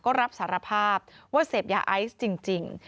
ก็รับสารภาพว่าเสพยาไอซ์จริง